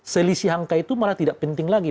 selisih angka itu malah tidak penting lagi